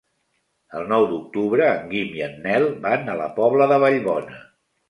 El nou d'octubre en Guim i en Nel van a la Pobla de Vallbona.